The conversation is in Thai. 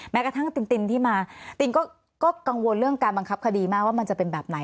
กระทั่งตินตินที่มาตินก็กังวลเรื่องการบังคับคดีมากว่ามันจะเป็นแบบไหน